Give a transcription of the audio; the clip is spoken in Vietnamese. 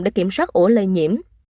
để kiểm soát ổ lây nhiễm